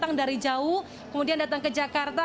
datang dari jauh kemudian datang ke jakarta